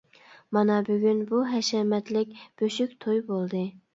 مانا بۈگۈن بۇ ھەشەمەتلىك بۆشۈك توي بولدى.